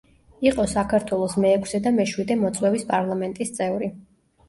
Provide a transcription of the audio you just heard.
იყო საქართველოს მეექვსე და მეშვიდე მოწვევის პარლამენტის წევრი.